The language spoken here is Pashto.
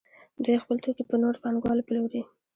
دوی خپل توکي په نورو پانګوالو پلوري